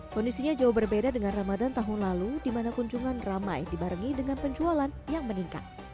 kondisinya jauh berbeda dengan ramadan tahun lalu di mana kunjungan ramai dibarengi dengan penjualan yang meningkat